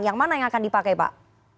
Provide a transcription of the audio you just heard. yang mana yang akan dipakai pak